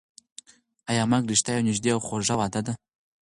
ایا مرګ رښتیا یوه نږدې او خوږه وعده ده؟